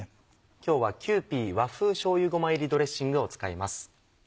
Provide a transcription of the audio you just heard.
今日は「キユーピー和風醤油ごま入ドレッシング」を使います。